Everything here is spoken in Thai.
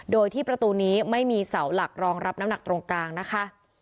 โดยที่ประตูนี้ไม่มีเสาหลักรองรับน้ำหนักตรงกลางนะคะ